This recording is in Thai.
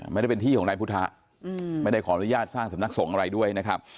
ไม่ได้เป็นที่ของนายพุทธะไม่ได้ขออนุญาตสร้างสำนักสงฆ์อะไรด้วยนะครับ